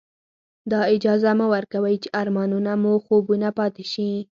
دا اجازه مه ورکوئ چې ارمانونه مو خوبونه پاتې شي.